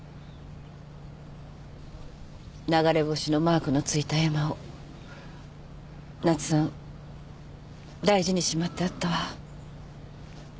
流れ星のマークの付いた絵馬を奈津さん大事にしまってあったわ。